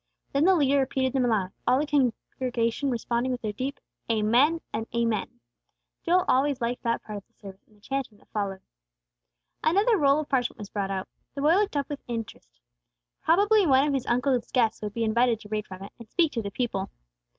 Then the leader repeated them aloud, all the congregation responding with their deep Amen! and Amen! Joel always liked that part of the service and the chanting that followed. Another roll of parchment was brought out. The boy looked up with interest. Probably one of his uncle's guests would be invited to read from it, and speak to the people.